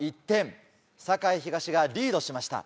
栄東がリードしました